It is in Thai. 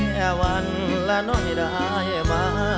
แค่วันละน้อยได้ไหม